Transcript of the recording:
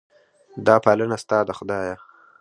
دا پالنه ستا ده خدایه.